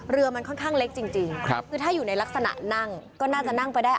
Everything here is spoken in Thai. เรือมันค่อนข้างเล็กจริงคือถ้าอยู่ในลักษณะนั่งก็น่าจะนั่งไปได้